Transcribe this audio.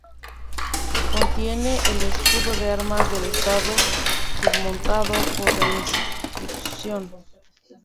Contiene el escudo de armas del estado surmontado por la inscripción.